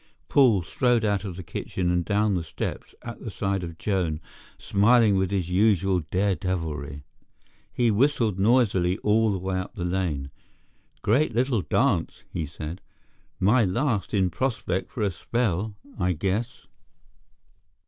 Paul strode out of the kitchen and down the steps at the side of Joan, smiling with his usual daredeviltry. He whistled noisily all the way up the lane. "Great little dance," he said. "My last in Prospect for a spell, I guess."